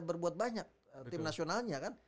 berbuat banyak tim nasionalnya kan